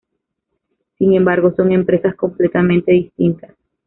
Sin embargo, son empresas completamente distintas.